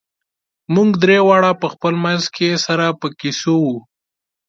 موږ درې واړه په خپل منځ کې سره په کیسو وو.